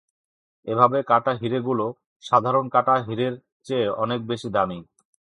এভাবে কাটা হীরেগুলো সাধারণ কাটা হীরের চেয়ে অনেক বেশি দামি।